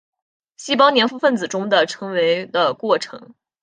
细胞黏附分子中的称为的过程。